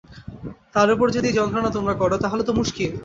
তার ওপর যদি এই যন্ত্রণা তোমরা কর, তাহলে তো মুশকিল!